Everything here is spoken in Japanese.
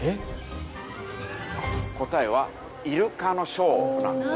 答えはイルカのショーなんですね。